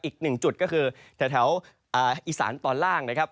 อีกหนึ่งจุดก็คือแถวอีสานตอนล่างนะครับ